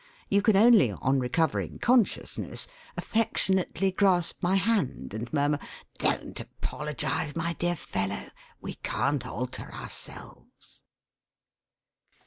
You can only, on recovering consciousness, affectionately grasp my hand and murmur: 'Don't apologise, my dear fellow; we can't alter ourselves.'